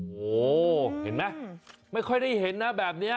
โหเห็นมั้ยไม่ค่อยได้เห็นนะแบบนี้